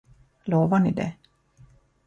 Lovar ni det?